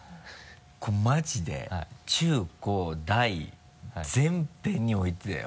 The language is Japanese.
これマジで中・高・大全編においてだよ？